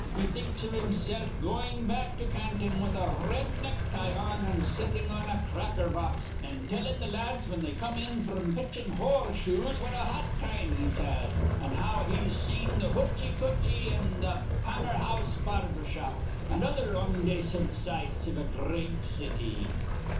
He thinks iv himsilf goin' back to Canton with a r red necktie on, an' settin' on a cracker box an' tellin' th' lads whin they come in fr'm pitchin' hor rseshoes what a hot time he's had, an' how he's seen th' hootchy kootchy an' th' Pammer House barber shop, an' th' other ondacint sights iv a gr reat city.